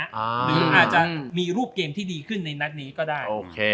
หรืออาจจะมีรูปเกมที่ดีขึ้นในนัดนี้ก็ได้